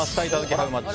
ハウマッチ。